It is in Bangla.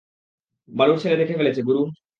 বালুর ছেলে দেখে ফেলেছে, গুরু।